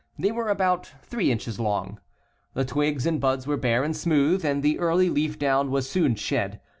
They were about three inches long. Tlie twigs and buds were bare and smooth, and the early leaf down was soon shed.